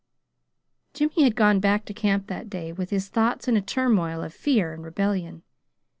Jimmy had gone back to camp that day with his thoughts in a turmoil of fear and rebellion.